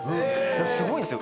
すごいんですよ。